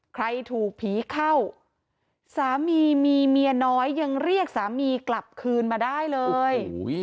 ใครถูกผีเข้าสามีมีเมียน้อยยังเรียกสามีกลับคืนมาได้เลย